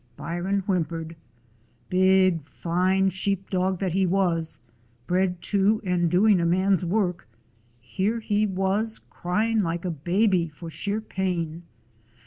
Byron whimpered. Big, fine sheep dog that he was, bred to and doing a man's work — here he was crying like a baby for sheer pain.